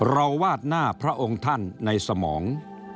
วาดหน้าพระองค์ท่านในสมอง